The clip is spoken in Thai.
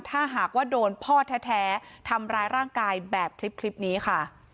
ถ้าหากว่าโดนพ่อแท้ทำร้ายร่างกายแบบคลิปนี้ค่ะ